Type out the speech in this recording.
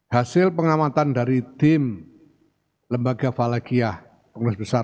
hasil pengamatan dari tim lembaga falahkiyah punggung rizk besar